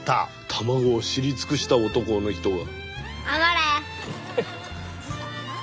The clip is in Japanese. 卵を知り尽くした男の人が。